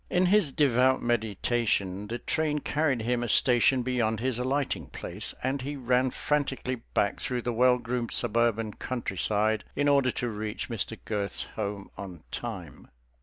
In his devout meditation the train carried him a station beyond his alighting place, and he ran frantically back through the well groomed suburban countryside in order to reach Mr. Girth's home on time.